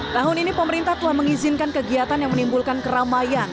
tahun ini pemerintah telah mengizinkan kegiatan yang menimbulkan keramaian